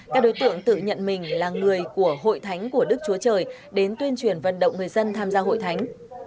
các đối tượng tự nhận mình là người của hội thánh của đức chúa trời đến tuyên truyền vận động người dân tham gia hội thánh